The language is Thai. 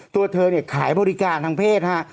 ตัวเธอเนี่ยขายบริการทางเพศฮะ